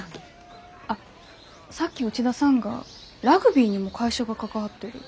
あっさっき内田さんがラグビーにも会社が関わってるって。